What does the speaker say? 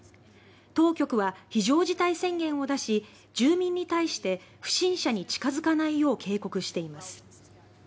当局は非常事態宣言を出し住民に対して不審者に近付かないよう警告しています。